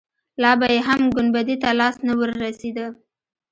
لا به يې هم ګنبدې ته لاس نه وررسېده.